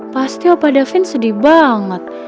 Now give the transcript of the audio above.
pasti opa davin sedih banget